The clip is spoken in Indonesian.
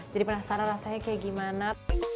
jadi penasaran rasanya kayak gimana